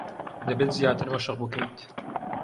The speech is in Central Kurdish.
دەبێت زیاتر مەشق بکەیت.